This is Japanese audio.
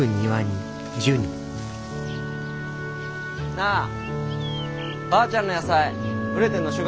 なあばあちゃんの野菜熟れてんの収穫する？